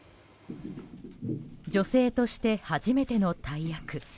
女性として初めての大役。